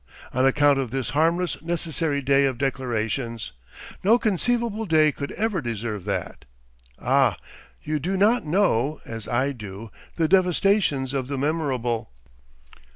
On account of this harmless necessary day of declarations. No conceivable day could ever deserve that. Ah! you do not know, as I do, the devastations of the memorable.